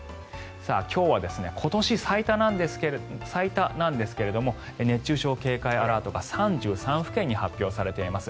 今日は今年最多なんですけれども熱中症警戒アラートが３３府県に発表されています。